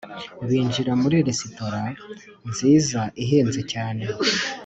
binjira muri resitora nziza ihenze cyane